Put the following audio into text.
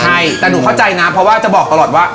ใช่แต่หนูเข้าใจนะเพราะว่าจะบอกตลอดว่า